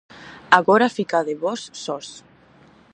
Agora ficades vós sós.